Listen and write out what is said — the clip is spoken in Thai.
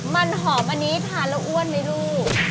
มันหอมอันนี้ทานแล้วอ้วนไหมลูก